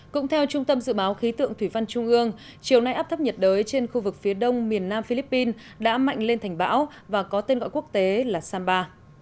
cũng theo trung tâm dự báo khí tượng thủy văn trung ương chiều nay áp thấp nhiệt đới trên khu vực phía đông miền nam philippines đã mạnh lên thành bão và có tên gọi quốc tế là samba